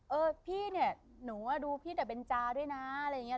เออพี่เนี่ยหนูดูพี่แต่เบนจาด้วยนะอะไรอย่างนี้